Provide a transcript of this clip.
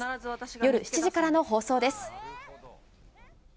夜７時からの放送です。